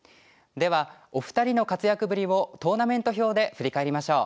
ではお二人の活躍ぶりをトーナメント表で振り返りましょう。